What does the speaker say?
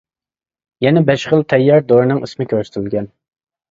يەنە بەش خىل تەييار دورىنىڭ ئىسمى كۆرسىتىلگەن.